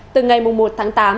từ ngày một tháng tám